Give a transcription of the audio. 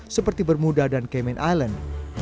seperti bermuda dan camen island